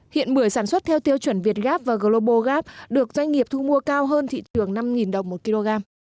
hiện bưởi sản xuất theo tiêu chuẩn việt gap và global gap được doanh nghiệp thu mua cao hơn thị trường năm đồng một kg